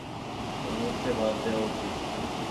মনে হচ্ছে বাদ দেয়া উচিৎ।